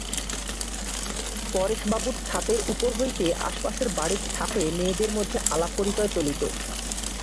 পরেশবাবুর ছাতের উপর হইতে আশ-পাশের বাড়ির ছাতে মেয়েদের মধ্যে আলাপ-পরিচয় চলিত।